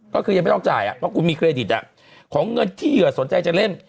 ก็คือยังไม่ต้องจ่ายเพราะคุณมีเครดิตของเงินที่เหยื่อสนใจจะเล่น